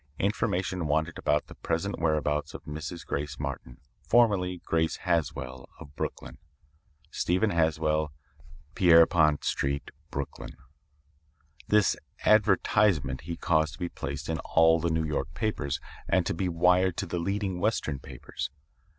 Information wanted about the present whereabouts of Mrs. Grace Martin, formerly Grace Haswell of Brooklyn. STEPHEN HASWELL, Pierrepont St., Brooklyn. "This advertisement he caused to be placed in all the New York papers and to be wired to the leading Western papers.